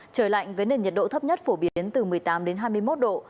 trời lạnh với nền nhiệt độ thấp nhất phổ biến từ một mươi tám đến hai mươi một độ